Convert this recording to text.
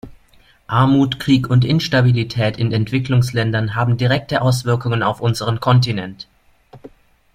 Armut, Krieg und Instabilität in Entwicklungsländern haben direkte Auswirkungen auf unseren Kontinent.